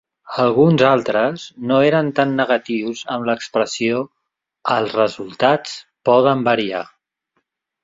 Alguns altres no eren tan negatius amb l'expressió "els resultats poden variar".